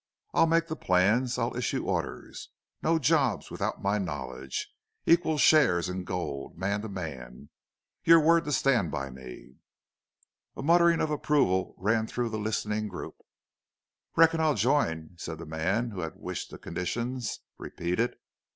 "I'll make the plans. I'll issue orders. No jobs without my knowledge. Equal shares in gold man to man.... Your word to stand by me!" A muttering of approval ran through the listening group. "Reckon I'll join," said the man who had wished the conditions repeated.